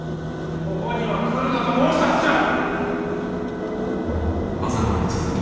ここには来るなと申したはずじゃ！